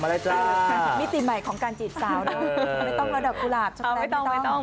มาแล้วจ้ามิติใหม่ของการจีดสาวเออไม่ต้องระดับกุหลาดไม่ต้อง